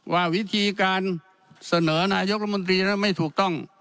ว่าวิธีการเสนอนายกรมนตรีนั้นไม่ถูกต้อง